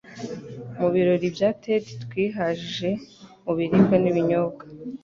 mu birori bya Ted twihajije mu biribwa n'ibinyobwa